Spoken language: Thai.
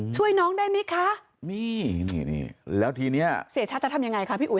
ช่วยน้องได้ไหมคะนี่นี่แล้วทีเนี้ยเสียชัดจะทำยังไงคะพี่อุ๋